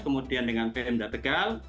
kemudian dengan pmd tegal